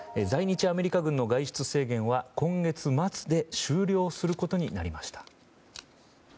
在日アメリカ軍の外出制限は今月末で終了することになりました。